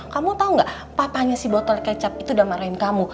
kamu tau gak papanya si botol kecap itu udah marahin kamu